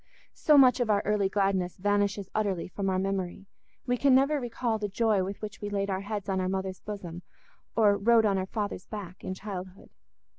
So much of our early gladness vanishes utterly from our memory: we can never recall the joy with which we laid our heads on our mother's bosom or rode on our father's back in childhood.